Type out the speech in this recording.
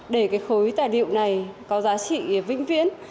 để cái khối tài liệu này có giá trị vĩnh viễn